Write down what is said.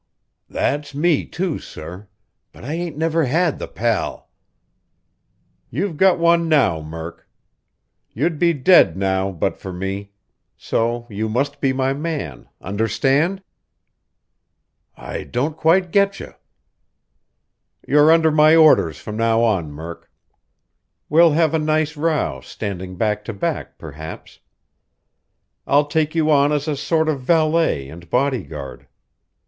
"That's me, too, sir; but I ain't ever had the pal." "You've got one now, Murk. You'd be dead now, but for me. So you must be my man, understand?" "I don't quite getcha." "You're under my orders from now on, Murk. We'll have a nice row, standing back to back perhaps. I'll take you on as a sort of valet and bodyguard.